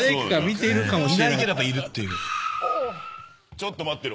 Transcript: ちょっと待ってろ。